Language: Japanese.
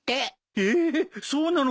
えっそうなのかい。